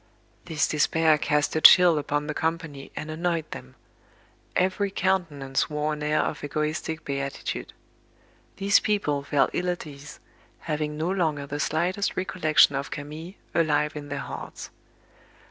This despair cast a chill upon the company and annoyed them. Every countenance wore an air of egotistic beatitude. These people felt ill at ease, having no longer the slightest recollection of Camille alive in their hearts.